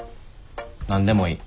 何でもいい。